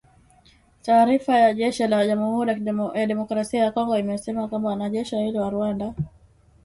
Taarifa ya jeshi la Jamuhuri ya Demokrasia ya Kongo imesema kwamba wanajeshi wawili wa Rwanda